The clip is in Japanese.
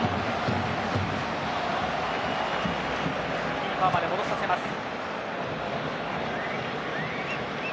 キーパーまで戻させました。